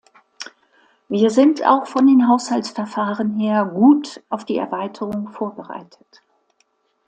Wir sind auch von den Haushaltsverfahren her gut auf die Erweiterung vorbereitet.